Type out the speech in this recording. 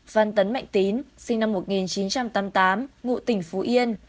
phan tấn mạnh tín sinh năm một nghìn chín trăm tám mươi tám ngụ tỉnh phú yên